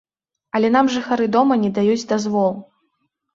Але нам жыхары дома не даюць дазвол.